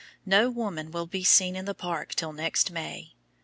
No woman will be seen in the park till next May.